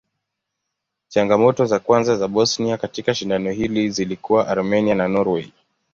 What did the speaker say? Changamoto za kwanza za Bosnia katika shindano hili zilikuwa Armenia na Norway.